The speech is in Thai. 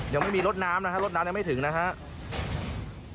ยังไม่มีรถน้ำนะฮะรถน้ำยังไม่ถึงนะครับ